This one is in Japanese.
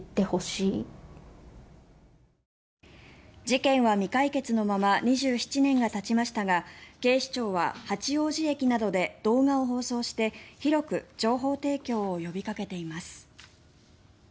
事件は未解決のまま２７年がたちましたが警視庁は八王子駅などで動画を放送して広く情報提供を呼びかけています。